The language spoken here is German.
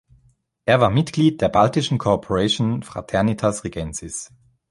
Er war Mitglied der Baltischen Corporation Fraternitas Rigensis.